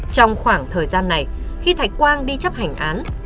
trong khoảng thời gian này khi thạch quang đi chấp hành án